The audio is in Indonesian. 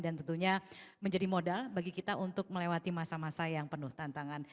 dan tentunya menjadi modal bagi kita untuk melewati masa masa yang penuh tantangan